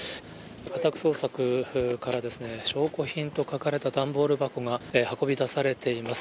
家宅捜索から証拠品と書かれた段ボール箱が運び出されています。